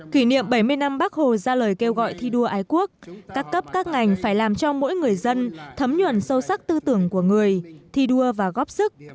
kỷ niệm bảy mươi năm bắc hồ ra lời kêu gọi thi đua ái quốc các cấp các ngành phải làm cho mỗi người dân thấm nhuận sâu sắc tư tưởng của người thi đua và góp sức